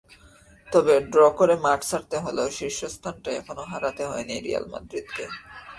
তবে ড্র করে মাঠ ছাড়তে হলেও শীর্ষস্থানটা এখনো হারাতে হয়নি রিয়াল মাদ্রিদকে।